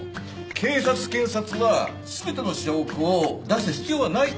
警察検察は全ての証拠を出す必要はないと。